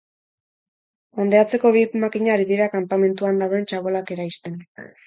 Hondeatzeko bi makina ari dira kanpamentuan dauden txabolak eraisten.